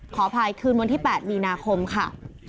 ขออภัยคืนวันที่๘มีนาคมค่ะ